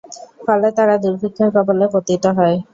ফলে তারা দুর্ভিক্ষের কবলে পতিত হয়।